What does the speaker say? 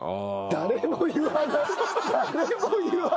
誰も言わない。